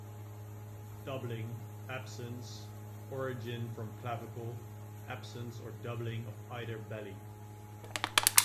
Doubling; absence; origin from clavicle; absence or doubling of either belly.